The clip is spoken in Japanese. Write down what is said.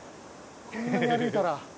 こんなに歩いたら。